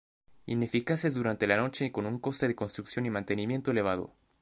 Ineficaces durante la noche y con un coste de construcción y mantenimiento elevado.